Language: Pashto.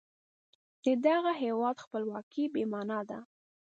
د هغه هیواد خپلواکي بې معنا ده.